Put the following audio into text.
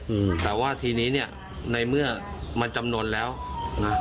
อืมแต่ว่าทีนี้เนี้ยในเมื่อมันจำนวนแล้วนะ